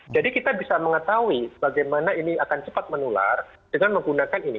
jadi kita bisa mengetahui bagaimana ini akan cepat menular dengan menggunakan ini